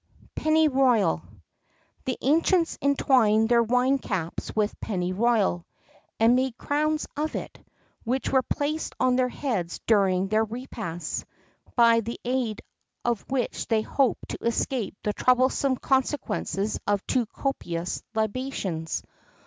[X 32] PENNYROYAL. The ancients entwined their wine caps with pennyroyal,[X 33] and made crowns of it, which were placed on their heads during their repasts, by the aid of which they hoped to escape the troublesome consequences of too copious libations.